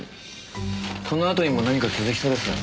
このあとにも何か続きそうですよね。